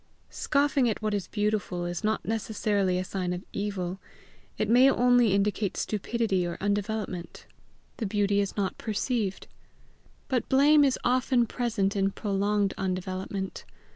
Scoffing at what is beautiful, is not necessarily a sign of evil; it may only indicate stupidity or undevelopment: the beauty is not perceived. But blame is often present in prolonged undevelopment.